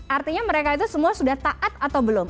artinya mereka itu semua sudah taat atau belum